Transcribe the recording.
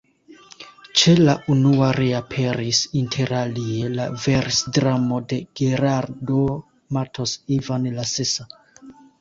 Ĉe la unua reaperis interalie la versdramo de Geraldo Mattos, Ivan la Sesa.